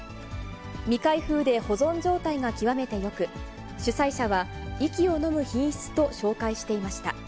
未開封で保存状態が極めてよく、主催者は息をのむ品質と紹介していました。